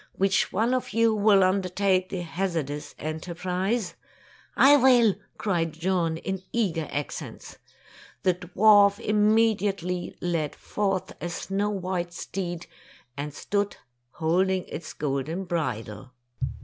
"Which one of you will undertake the hazardous enter prise i " "I will!" cried John, in eager accents. The dwarf immediately led forth a snow white steed, and stood holding its golden bridle.